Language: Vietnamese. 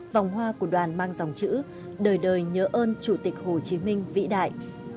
vòng hoa của đoàn mang dòng chữ đời đời nhớ ơn chủ tịch hồ chí minh vĩ đại